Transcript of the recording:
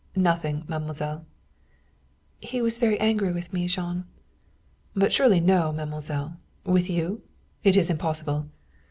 "Nothing, mademoiselle." "He is very angry with me, Jean." "But surely no, mademoiselle. With you? It is impossible."